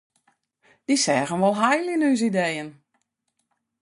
Dy seagen wol heil yn ús ideeën.